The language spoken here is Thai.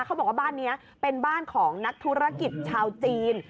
เขาบอกว่าบ้านนี้เป็นบ้านของนักธุรกิจชาวจีน